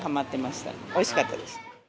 おいしかったです。